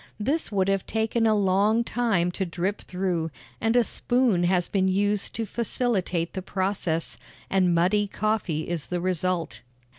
This would have taken a long time to drip through, and a spoon has been used to facilitate the process, and muddy coffee is the result.